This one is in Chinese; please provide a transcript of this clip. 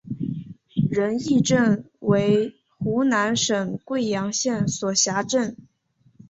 仁义镇为湖南省桂阳县所辖镇。